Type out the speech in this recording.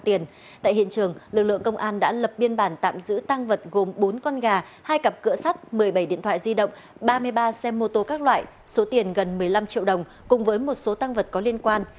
tại hiện trường lực lượng công an đã lập biên bản tạm giữ tăng vật gồm bốn con gà hai cặp cửa sắt một mươi bảy điện thoại di động ba mươi ba xe mô tô các loại số tiền gần một mươi năm triệu đồng cùng với một số tăng vật có liên quan